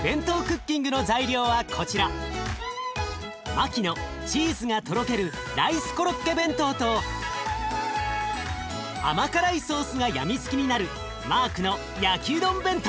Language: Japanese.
マキのチーズがとろけるライスコロッケ弁当と甘辛いソースがやみつきになるマークの焼きうどん弁当。